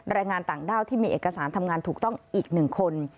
แรงงานต่างด้าวที่มีเอกสารทำงานถูกต้องอีก๑คน